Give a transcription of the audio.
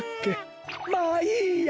まあいいや。